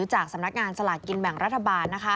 จากสำนักงานสลัดกินแบ่งรัฐบาล